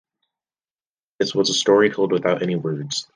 This was a story told without any words.